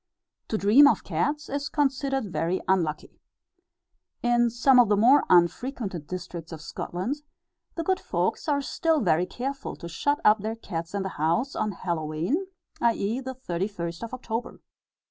To dream of cats is considered very unlucky. In some of the more unfrequented districts of Scotland, the good folks are still very careful to shut up their cats in the house, on Hallowe'en, i.e., the 31st of October.